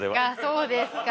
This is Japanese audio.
そうですか。